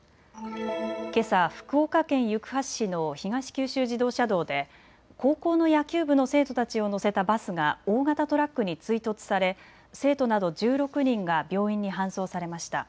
けさ福岡県行橋市の東九州自動車道で高校の野球部の生徒たちを乗せたバスが大型トラックに追突され生徒など１６人が病院に搬送されました。